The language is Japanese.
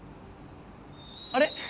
あれ？